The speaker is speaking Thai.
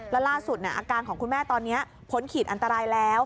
แล้วล่าสุดอาการของคุณแม่ตอนนี้พ้นขีดอันตรายแล้ว